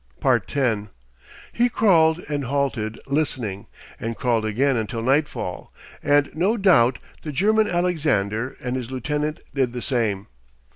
10 He crawled, and halted listening, and crawled again until nightfall, and no doubt the German Alexander and his lieutenant did the same.